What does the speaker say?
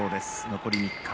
残り３日。